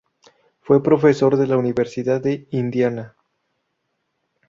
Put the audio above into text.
Fue profesor de la Universidad de Indiana.